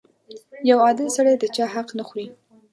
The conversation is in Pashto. • یو عادل سړی د چا حق نه خوري.